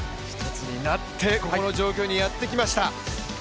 一つになってここの状況にやってきました。